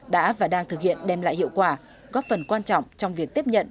đã và đang thực hiện đem lại hiệu quả góp phần quan trọng trong việc tiếp nhận